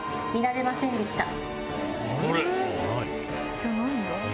じゃあ何だ？